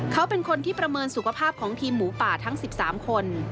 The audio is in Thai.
เขาเป็นคนที่ประเมินสุขภาพของทีมหมูป่าทั้ง๑๓คน